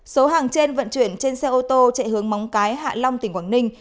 số hàng trên vận chuyển trên xe ô tô chạy hướng móng cái hạ long tỉnh quảng ninh